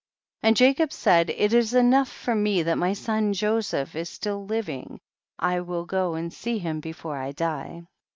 105. And Jacob said, it is enough for mc that my son Joseph is still liv ing, I will go and see him before I die.